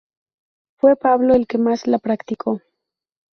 Fue Pablo el que más la practicó.